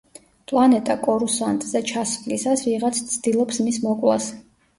პლანეტა კორუსანტზე ჩასვლისას ვიღაც ცდილობს მის მოკვლას.